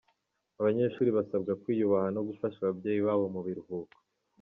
Abanyeshuri basabwa kwiyubaha no gufasha ababyeyi babo mu biruhuko